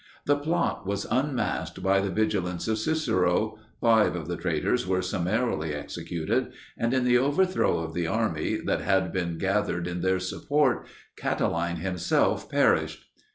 The plot was unmasked by the vigilance of Cicero, five of the traitors were summarily executed, and in the overthrow of the army that had been gathered in their support Catiline himself perished.